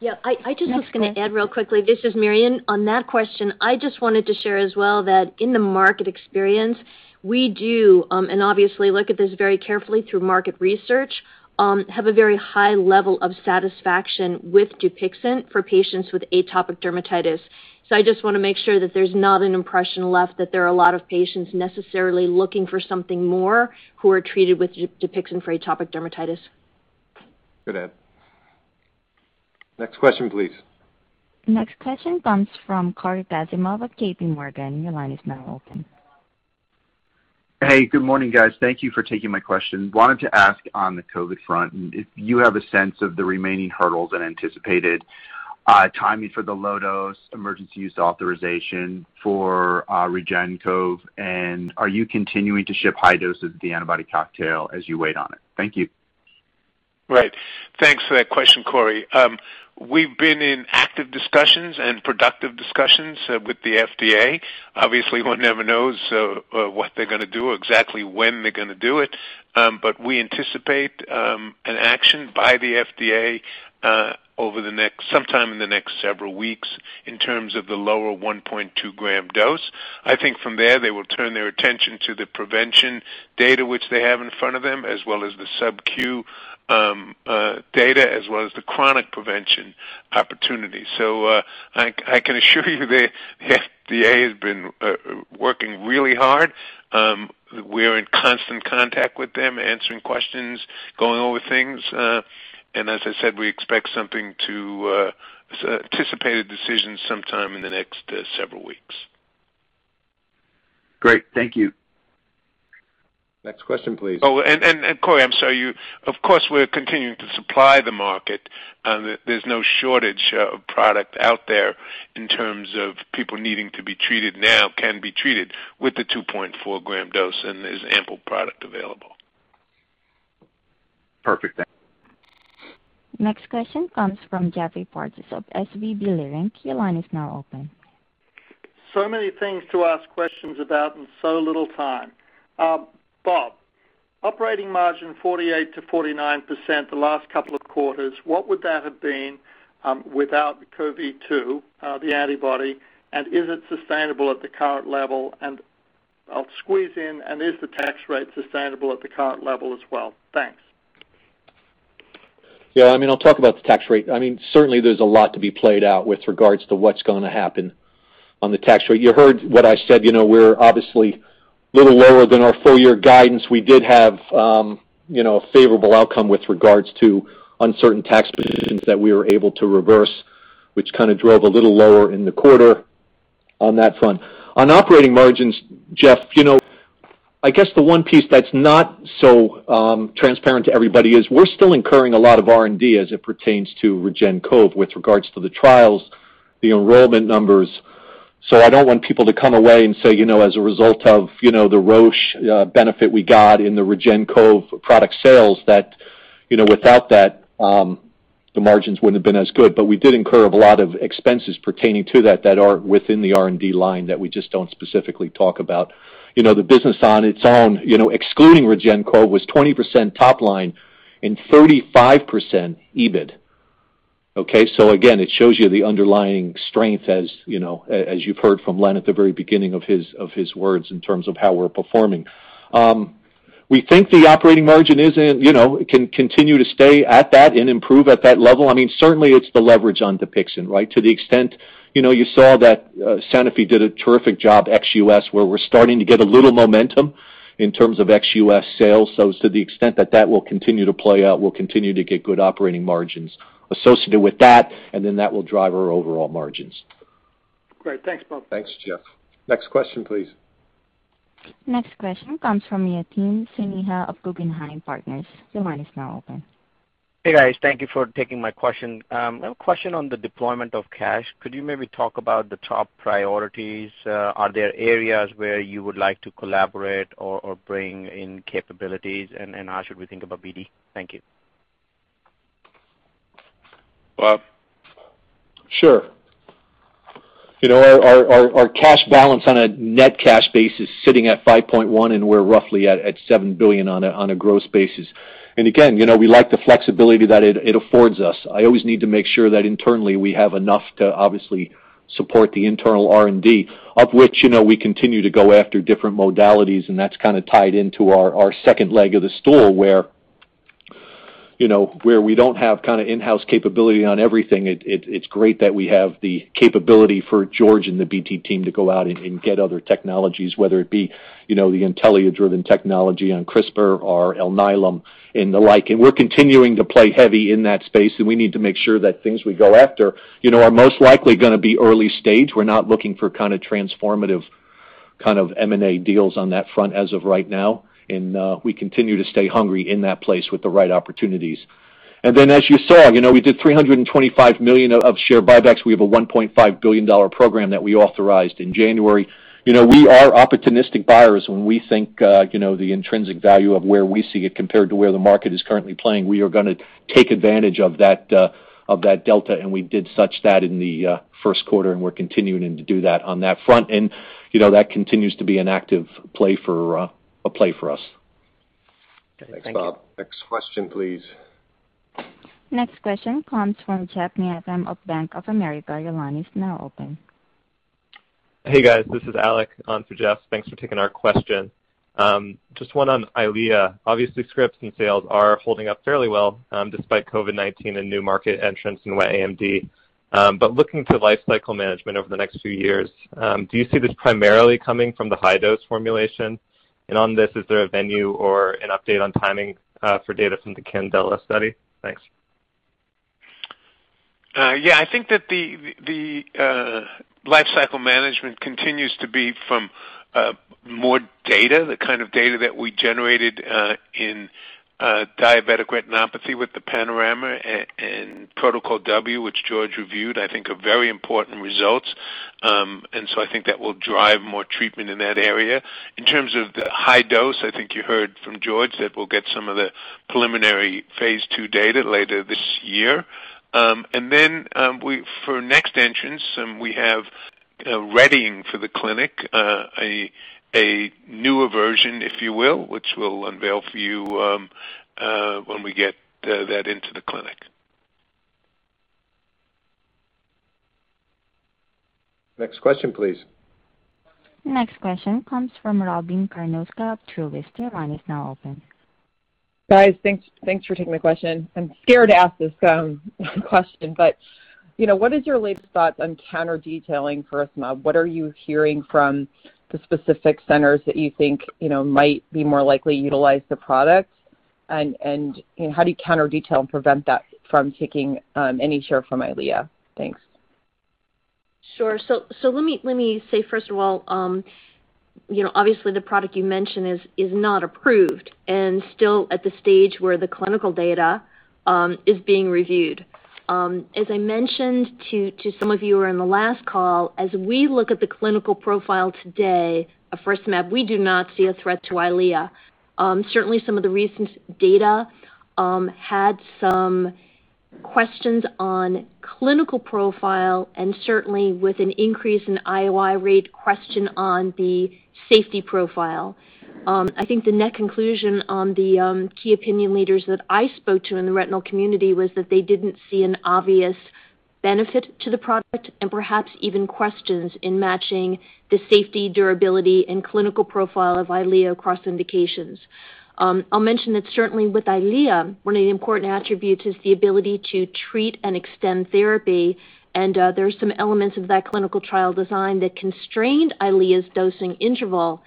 S5: Yeah, I just was going to add real quickly, this is Marion. On that question, I just wanted to share as well that in the market experience, we do, and obviously look at this very carefully through market research, have a very high level of satisfaction with DUPIXENT for patients with atopic dermatitis. I just want to make sure that there's not an impression left that there are a lot of patients necessarily looking for something more who are treated with DUPIXENT for atopic dermatitis.
S2: Good add. Next question, please.
S1: Next question comes from Cory Kasimov of J.P. Morgan.
S9: Hey, good morning, guys. Thank you for taking my question. Wanted to ask on the COVID front, if you have a sense of the remaining hurdles and anticipated timing for the low-dose emergency use authorization for REGEN-COV, and are you continuing to ship high doses of the antibody cocktail as you wait on it? Thank you.
S3: Right. Thanks for that question, Cory. We've been in active discussions and productive discussions with the FDA. Obviously, one never knows what they're going to do or exactly when they're going to do it. We anticipate an action by the FDA sometime in the next several weeks in terms of the lower 1.2 gram dose. I think from there, they will turn their attention to the prevention data which they have in front of them, as well as the sub-Q data, as well as the chronic prevention opportunity. I can assure you the FDA has been working really hard. We're in constant contact with them, answering questions, going over things. As I said, we expect something to anticipate a decision sometime in the next several weeks.
S9: Great. Thank you.
S2: Next question, please.
S3: Cory, I'm sorry. Of course, we're continuing to supply the market. There's no shortage of product out there in terms of people needing to be treated now can be treated with the 2.4 gram dose, and there's ample product available.
S9: Perfect. Thank you.
S1: Next question comes from Geoffrey Porges of SVB Leerink. Your line is now open.
S10: Many things to ask questions about in so little time. Bob, operating margin 48%-49% the last couple of quarters. What would that have been without the COV2, the antibody? Is it sustainable at the current level? I'll squeeze in, and is the tax rate sustainable at the current level as well? Thanks.
S6: Yeah, I'll talk about the tax rate. Certainly there's a lot to be played out with regards to what's going to happen on the tax rate. You heard what I said. We're obviously a little lower than our full-year guidance. We did have a favorable outcome with regards to uncertain tax positions that we were able to reverse, which drove a little lower in the quarter on that front. On operating margins, Geoff, I guess the one piece that's not so transparent to everybody is we're still incurring a lot of R&D as it pertains to REGEN-COV with regards to the trials, the enrollment numbers. I don't want people to come away and say, as a result of the Roche benefit we got in the REGEN-COV product sales, that without that the margins wouldn't have been as good. We did incur a lot of expenses pertaining to that that are within the R&D line that we just don't specifically talk about. The business on its own, excluding REGEN-COV, was 20% top line and 35% EBIT. Okay? Again, it shows you the underlying strength as you've heard from Len at the very beginning of his words in terms of how we're performing. We think the operating margin can continue to stay at that and improve at that level. It's the leverage on DUPIXENT, right? You saw that Sanofi did a terrific job ex-U.S., where we're starting to get a little momentum in terms of ex-U.S. sales. To the extent that that will continue to play out, we'll continue to get good operating margins associated with that. That will drive our overall margins.
S10: Great. Thanks, Bob.
S2: Thanks, Geoff. Next question, please.
S1: Next question comes from Yatin Suneja of Guggenheim Partners. Your line is now open.
S11: Hey, guys. Thank you for taking my question. I have a question on the deployment of cash. Could you maybe talk about the top priorities? Are there areas where you would like to collaborate or bring in capabilities? How should we think about BD? Thank you.
S2: Bob?
S6: Sure. Our cash balance on a net cash base is sitting at $5.1, we're roughly at $7 billion on a gross basis. Again, we like the flexibility that it affords us. I always need to make sure that internally we have enough to obviously support the internal R&D of which we continue to go after different modalities, that's kind of tied into our second leg of the stool where we don't have in-house capability on everything. It's great that we have the capability for George and the BD team to go out and get other technologies, whether it be the Intellia driven technology on CRISPR or Alnylam and the like. We're continuing to play heavy in that space, we need to make sure that things we go after are most likely going to be early stage. We're not looking for transformative kind of M&A deals on that front as of right now. We continue to stay hungry in that place with the right opportunities. As you saw, we did $325 million of share buybacks. We have a $1.5 billion program that we authorized in January. We are opportunistic buyers when we think the intrinsic value of where we see it compared to where the market is currently playing. We are going to take advantage of that delta, and we did such that in the first quarter, and we're continuing to do that on that front. That continues to be an active play for us.
S11: Okay. Thank you.
S2: Thanks, Bob. Next question, please.
S1: Next question comes from Geoff Meacham of Bank of America. Your line is now open. Hey, guys. This is Alec on for Geoff. Thanks for taking our question. Just one on EYLEA. Obviously, scripts and sales are holding up fairly well despite COVID-19 and new market entrants in wet AMD. Looking to life cycle management over the next few years, do you see this primarily coming from the high-dose formulation? On this, is there a venue or an update on timing for data from the CANDELA study? Thanks.
S3: I think that the life cycle management continues to be from more data, the kind of data that we generated in diabetic retinopathy with the PANORAMA and Protocol W, which George reviewed, I think are very important results. I think that will drive more treatment in that area. In terms of the high dose, I think you heard from George that we'll get some of the preliminary phase II data later this year. For next entrance, we have readying for the clinic, a newer version, if you will, which we'll unveil for you when we get that into the clinic.
S2: Next question, please.
S1: Next question comes from Robyn Karnauskas of Truist. Your line is now open.
S12: Guys, thanks for taking my question. I'm scared to ask this question, what is your latest thoughts on counter-detailing faricimab? What are you hearing from the specific centers that you think might be more likely utilize the product? How do you counter-detail and prevent that from taking any share from EYLEA? Thanks.
S5: Sure. Let me say, first of all, obviously the product you mentioned is not approved and still at the stage where the clinical data is being reviewed. As I mentioned to some of you who were in the last call, as we look at the clinical profile today of faricimab, we do not see a threat to EYLEA. Certainly, some of the recent data had some questions on clinical profile, and certainly with an increase in IOI rate, question on the safety profile. I think the net conclusion on the key opinion leaders that I spoke to in the retinal community was that they didn't see an obvious benefit to the product, and perhaps even questions in matching the safety, durability, and clinical profile of EYLEA across indications. I'll mention that certainly with Eylea, one of the important attributes is the ability to treat and extend therapy, and there are some elements of that clinical trial design that constrained Eylea's dosing interval.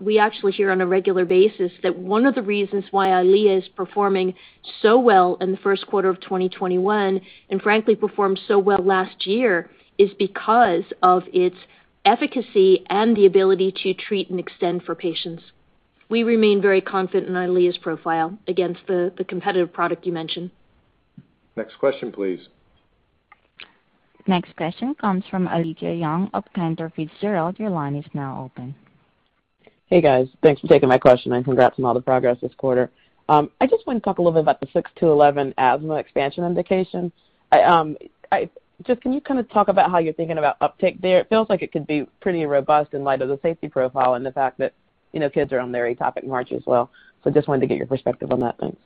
S5: We actually hear on a regular basis that one of the reasons why Eylea is performing so well in the first quarter of 2021, and frankly, performed so well last year, is because of its efficacy and the ability to treat and extend for patients. We remain very confident in Eylea's profile against the competitive product you mentioned.
S2: Next question, please.
S1: Next question comes from Alethia Young of Cantor Fitzgerald. Your line is now open.
S13: Hey, guys. Thanks for taking my question. Congrats on all the progress this quarter. I just want to talk a little bit about the 6-11 asthma expansion indication. Can you kind of talk about how you're thinking about uptake there? It feels like it could be pretty robust in light of the safety profile and the fact that kids are on atopic march as well. Wanted to get your perspective on that. Thanks.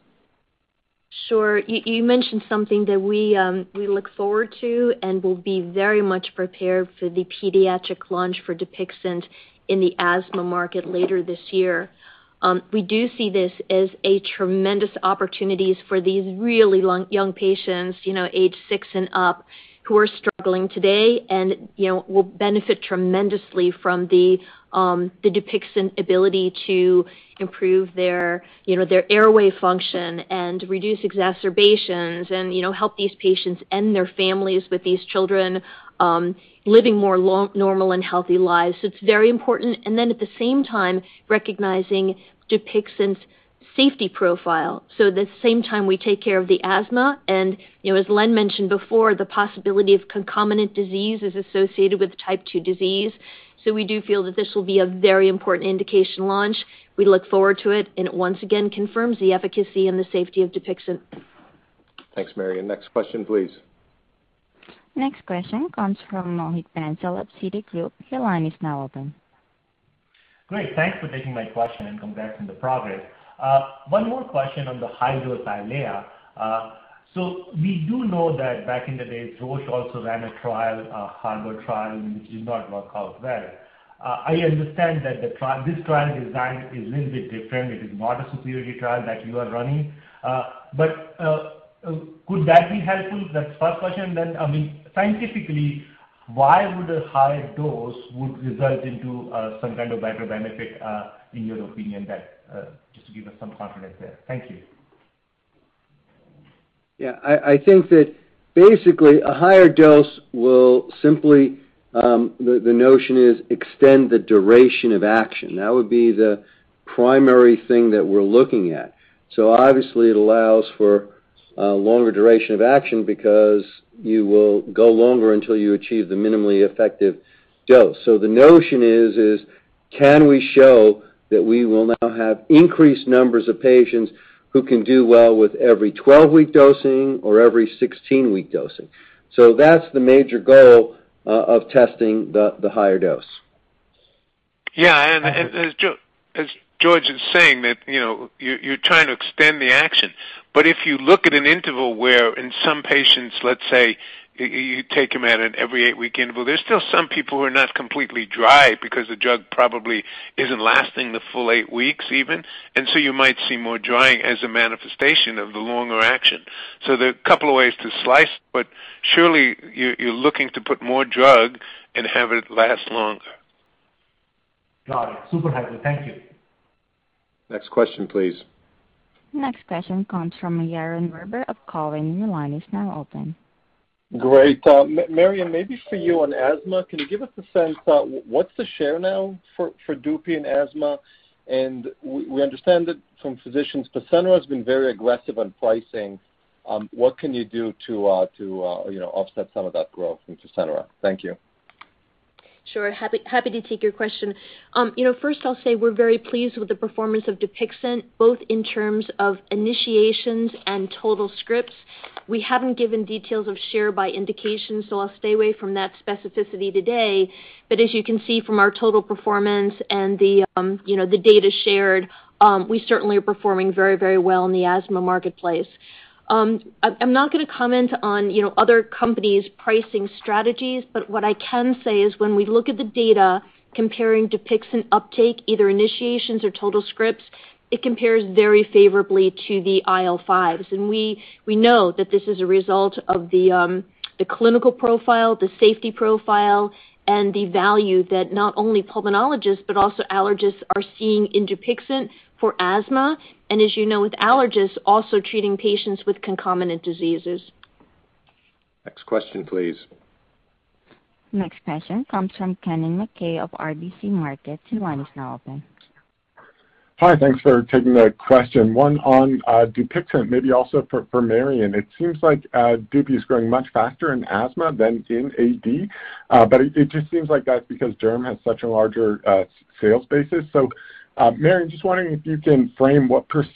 S5: Sure. You mentioned something that we look forward to and will be very much prepared for the pediatric launch for DUPIXENT in the asthma market later this year. We do see this as a tremendous opportunity for these really young patients age six and up who are struggling today and will benefit tremendously from the DUPIXENT ability to improve their airway function and reduce exacerbations and help these patients and their families with these children living more normal and healthy lives. It's very important. At the same time, recognizing DUPIXENT's safety profile. At the same time we take care of the asthma and, as Len mentioned before, the possibility of concomitant disease is associated with type 2 disease. We do feel that this will be a very important indication launch. We look forward to it. It once again confirms the efficacy and the safety of DUPIXENT.
S2: Thanks, Mary. Next question, please.
S1: Next question comes from Mohit Bansal at Citigroup. Your line is now open.
S14: Great. Thanks for taking my question and congrats on the progress. One more question on the high-dose Eylea. We do know that back in the day, Roche also ran a trial, a high-dose trial, which did not work out well. I understand that this trial design is a little bit different. It is not a superiority trial that you are running. Could that be helpful? That's the first question. Scientifically, why would a higher dose would result into some kind of better benefit in your opinion that just to give us some confidence there? Thank you.
S4: Yeah, I think that basically a higher dose will simply, the notion is extend the duration of action. That would be the primary thing that we're looking at. Obviously, it allows for a longer duration of action because you will go longer until you achieve the minimally effective dose. The notion is can we show that we will now have increased numbers of patients who can do well with every 12-week dosing or every 16-week dosing? That's the major goal of testing the higher dose.
S3: Yeah. As George is saying that you're trying to extend the action, but if you look at an interval where in some patients, let's say, you take them at an every eight-week interval, there's still some people who are not completely dry because the drug probably isn't lasting the full eight weeks even. You might see more drying as a manifestation of the longer action. There are a couple of ways to slice it, but surely you're looking to put more drug and have it last longer.
S14: Got it. Super helpful. Thank you.
S2: Next question, please.
S1: Next question comes from Yaron Werber of Cowen. Your line is now open.
S15: Great. Marion, maybe for you on asthma, can you give us a sense what's the share now for DUPIXENT asthma? We understand that from physicians, Fasenra has been very aggressive on pricing. What can you do to offset some of that growth into Fasenra? Thank you.
S5: Sure. Happy to take your question. I'll say we're very pleased with the performance of DUPIXENT, both in terms of initiations and total scripts. We haven't given details of share by indication, I'll stay away from that specificity today. As you can see from our total performance and the data shared, we certainly are performing very well in the asthma marketplace. I'm not going to comment on other companies' pricing strategies. What I can say is when we look at the data comparing DUPIXENT uptake, either initiations or total scripts, it compares very favorably to the IL-5s. We know that this is a result of the clinical profile, the safety profile, and the value that not only pulmonologists, but also allergists are seeing in DUPIXENT for asthma. As you know, with allergists also treating patients with concomitant diseases.
S2: Next question, please.
S1: Next question comes from Kennen MacKay of RBC Capital Markets. Your line is now open.
S16: Hi, thanks for taking the question. One on DUPIXENT, maybe also for Marion. It seems like DUPIXENT is growing much faster in asthma than in AD. It just seems like that's because derm has such a larger sales basis. Marion, just wondering if you can frame what % of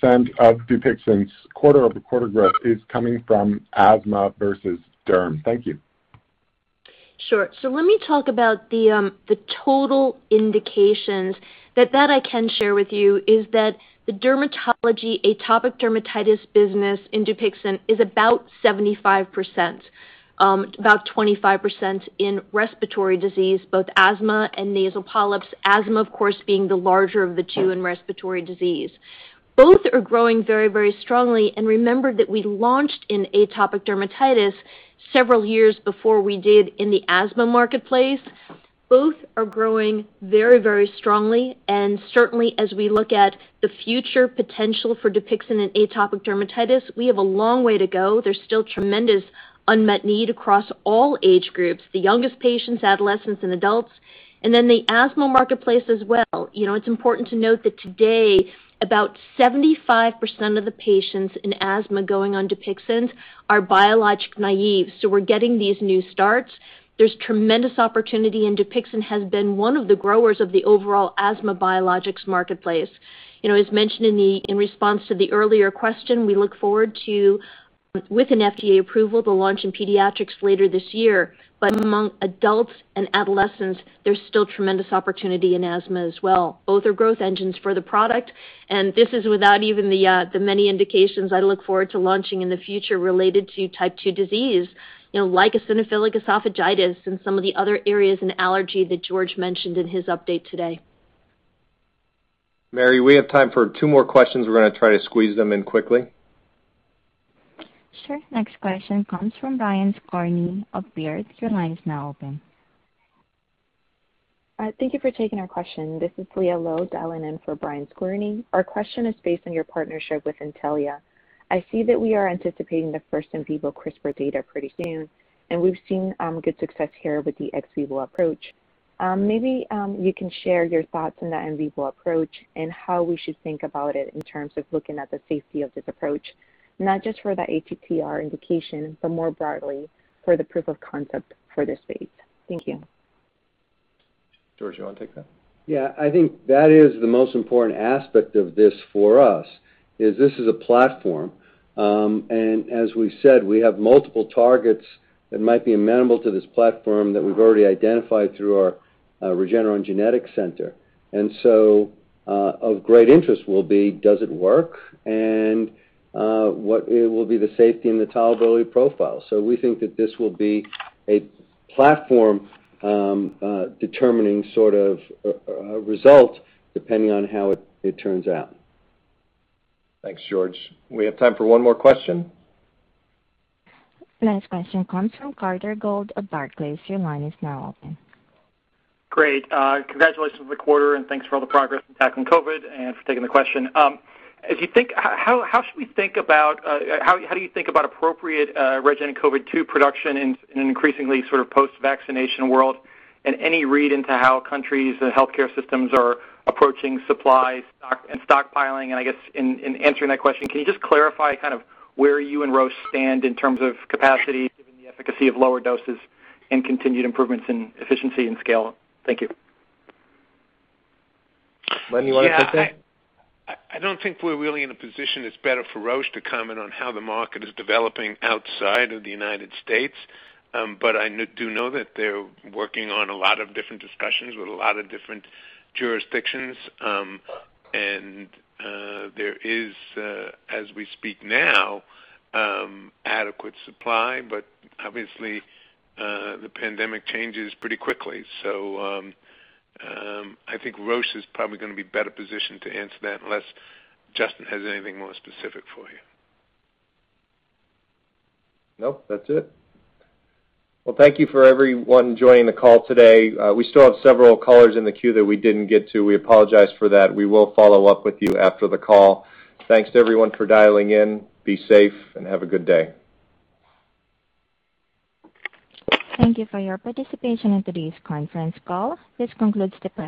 S16: DUPIXENT's quarter-over-quarter growth is coming from asthma versus derm. Thank you.
S5: Sure. Let me talk about the total indications. That I can share with you is that the dermatology atopic dermatitis business in DUPIXENT is about 75%, about 25% in respiratory disease, both asthma and nasal polyps. Asthma, of course, being the larger of the two in respiratory disease. Both are growing very strongly. Remember that we launched in atopic dermatitis several years before we did in the asthma marketplace. Both are growing very strongly, certainly as we look at the future potential for DUPIXENT in atopic dermatitis, we have a long way to go. There's still tremendous unmet need across all age groups, the youngest patients, adolescents, and adults. The asthma marketplace as well. It's important to note that today, about 75% of the patients in asthma going on DUPIXENT are biologic naive. We're getting these new starts. There's tremendous opportunity. DUPIXENT has been one of the growers of the overall asthma biologics marketplace. As mentioned in response to the earlier question, we look forward to, with an FDA approval, the launch in pediatrics later this year. Among adults and adolescents, there's still tremendous opportunity in asthma as well. Both are growth engines for the product. This is without even the many indications I look forward to launching in the future related to type 2 disease, like eosinophilic esophagitis and some of the other areas in allergy that George mentioned in his update today.
S2: Mary, we have time for two more questions. We're going to try to squeeze them in quickly.
S1: Sure. Next question comes from Brian Skorney of Baird. Your line is now open.
S17: Thank you for taking our question. This is Leah Lowe dialing in for Brian Skorney. Our question is based on your partnership with Intellia. I see that we are anticipating the first in vivo CRISPR data pretty soon, and we've seen good success here with the ex vivo approach. Maybe you can share your thoughts on that in vivo approach and how we should think about it in terms of looking at the safety of this approach, not just for the ATTR indication, but more broadly for the proof of concept for this phase. Thank you.
S2: George, you want to take that?
S4: Yeah. I think that is the most important aspect of this for us, is this is a platform. As we've said, we have multiple targets that might be amenable to this platform that we've already identified through our Regeneron Genetics Center. Of great interest will be does it work and what will be the safety and the tolerability profile. We think that this will be a platform determining sort of a result depending on how it turns out.
S2: Thanks, George. We have time for one more question.
S1: Last question comes from Carter Gould of Barclays. Your line is now open.
S18: Great. Congratulations on the quarter, thanks for all the progress in tackling COVID and for taking the question. How do you think about appropriate REGN COVID-2 production in an increasingly sort of post-vaccination world? Any read into how countries and healthcare systems are approaching supply and stockpiling? I guess in answering that question, can you just clarify kind of where you and Roche stand in terms of capacity given the efficacy of lower doses and continued improvements in efficiency and scale? Thank you.
S2: Len, you want to take that?
S3: I don't think we're really in a position that's better for Roche to comment on how the market is developing outside of the United States. I do know that they're working on a lot of different discussions with a lot of different jurisdictions. There is, as we speak now, adequate supply, but obviously, the pandemic changes pretty quickly. I think Roche is probably going to be better positioned to answer that, unless Justin has anything more specific for you.
S2: Nope, that's it. Well, thank you for everyone joining the call today. We still have several callers in the queue that we didn't get to. We apologize for that. We will follow up with you after the call. Thanks to everyone for dialing in. Be safe and have a good day.
S1: Thank you for your participation in today's conference call. This concludes the call.